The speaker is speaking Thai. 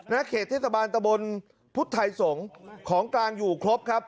เขตเทศบาลตะบนพุทธไทยสงศ์ของกลางอยู่ครบครับ